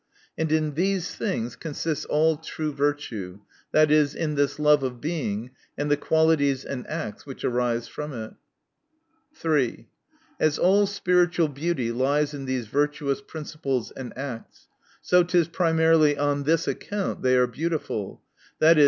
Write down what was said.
And in these things consists all true virtue, viz., in this love of Being, and the qualities and acts which arise from it. 3. As all spiritual beauty lies in these virtuous principles and acts, so it is primarily on this account they are beautiful, viz.